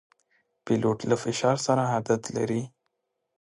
پیلوټ له فشار سره عادت لري.